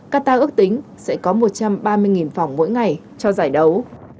qatar ước tính sẽ có một trăm ba mươi phòng mỗi ngày cho giải đấu